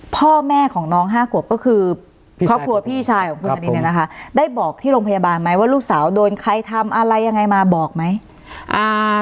พ่อแม่ของน้อง๕ขวบก็คือครอบครัวพี่ชายของคุณธนินเนี่ยนะคะได้บอกที่โรงพยาบาลไหมว่าลูกสาวโดนใครทำอะไรยังไงมาบอกไหม